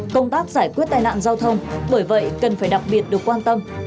công tác giải quyết tai nạn giao thông bởi vậy cần phải đặc biệt được quan tâm